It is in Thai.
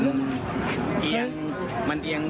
จึงไม่ได้เอดในแม่น้ำ